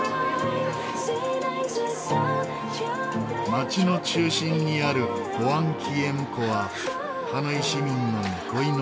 街の中心にあるホアンキエム湖はハノイ市民の憩いの場。